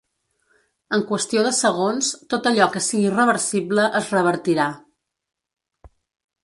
En qüestió de segons, tot allò que sigui reversible es revertirà.